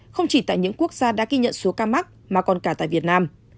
không chỉ tại những quốc gia đã ghi nhận số ca mắc mà còn cả tại việt nam